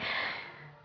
minta sama allah